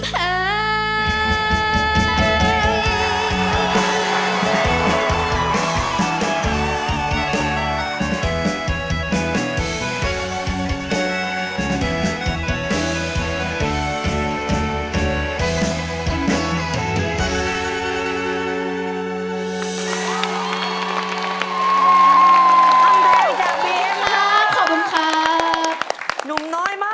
มักกลายจัดการจัดการ